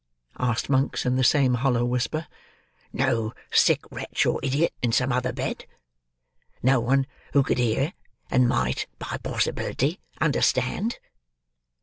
asked Monks, in the same hollow whisper; "No sick wretch or idiot in some other bed? No one who could hear, and might, by possibility, understand?"